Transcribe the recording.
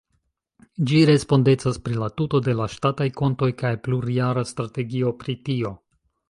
Ĝi respondecas pri la tuto de la ŝtataj kontoj kaj plurjara strategio pri tio.